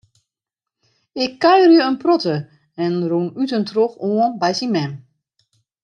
Ik kuiere in protte en rûn út en troch oan by syn mem.